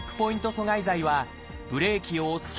阻害剤はブレーキを押すがん